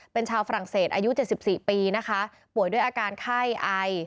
เป็นชาวฝรั่งเศสอายุเจ็ดสิบสี่ปีนะคะป่วยด้วยอาการไข้อาย